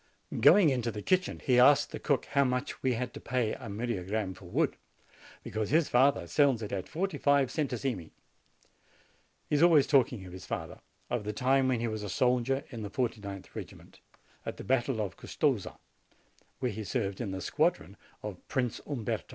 Going into the kitchen, he asked the cook how much we had to pay a myriagramme for wood, because his father sells it at forty five centesimi. He is always talking of his father, of the time when he was a soldier in the 49th regiment, at the battle of Custoza, where he served in the squadron of Prince Umberto.